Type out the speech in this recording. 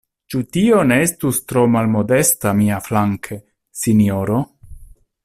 Ĉu tio ne estus tro malmodesta miaflanke, sinjoro?